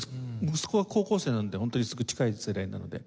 息子が高校生なのでホントにすぐ近い世代なので。